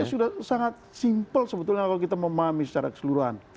ini sudah sangat simpel sebetulnya kalau kita memahami secara keseluruhan